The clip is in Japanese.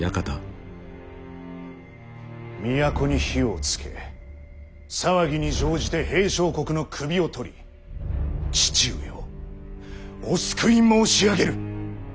都に火をつけ騒ぎに乗じて平相国の首を取り父上をお救い申し上げる。